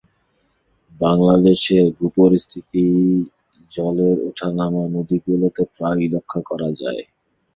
বাংলাদেশের ভূপরিস্থ জলের ওঠানামা নদীগুলিতে প্রায়ই লক্ষ করা যায়।